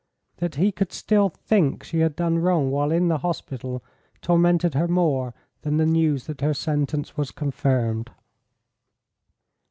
That he could still think she had done wrong while in the hospital tormented her more than the news that her sentence was confirmed.